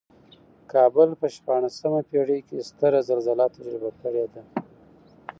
کابل په شپاړسمه پېړۍ کې ستره زلزله تجربه کړې ده.